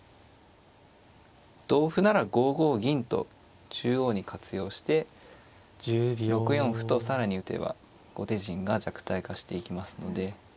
同歩なら５五銀と中央に活用して６四歩と更に打てば後手陣が弱体化していきますので。